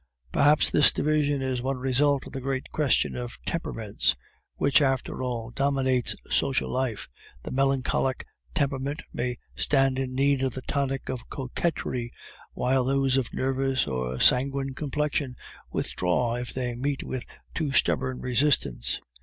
Perhaps this division is one result of the great question of temperaments; which, after all, dominates social life. The melancholic temperament may stand in need of the tonic of coquetry, while those of nervous or sanguine complexion withdraw if they meet with a too stubborn resistance.